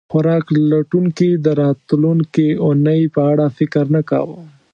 خوراک لټونکي د راتلونکې اوونۍ په اړه فکر نه کاوه.